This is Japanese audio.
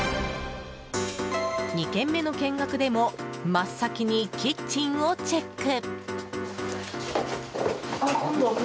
２軒目の見学でも真っ先にキッチンをチェック。